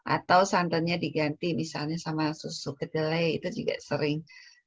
atau santannya diganti misalnya sama susu kedelai itu juga sering